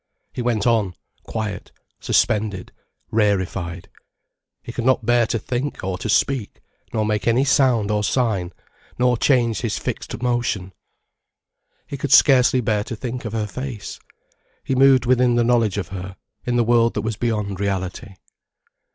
He went on, quiet, suspended, rarefied. He could not bear to think or to speak, nor make any sound or sign, nor change his fixed motion. He could scarcely bear to think of her face. He moved within the knowledge of her, in the world that was beyond reality.